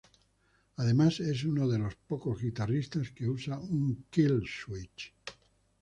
Además es uno de los pocos guitarristas que usa un Killswitch.